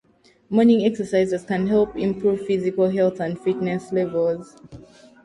Morning exercises can help improve physical health and fitness levels.